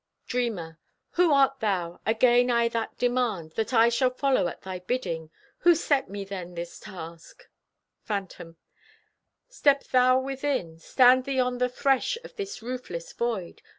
Dreamer: Who art thou—again I that demand— That I shall follow at thy bidding? Who set me then this task? Phantom: Step thou within! Stand thee on the thresh of this roofless void!